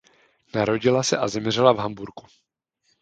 Narodila se a zemřela v Hamburku.